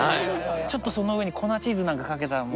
ちょっとその上に粉チーズなんかかけたらもう。